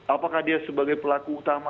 apakah dia sebagai pelaku utama